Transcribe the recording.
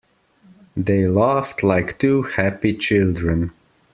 They laughed like two happy children.